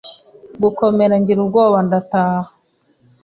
gukomera ngira ubwoba ndataha,